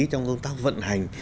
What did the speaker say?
trong công tác vận hành